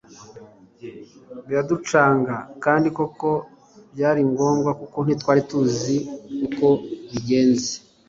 biraducanga kandi koko byaringombwa kuko ntitwari tuzi uko bigenze